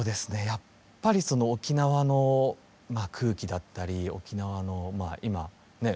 やっぱり沖縄の空気だったり沖縄の今ね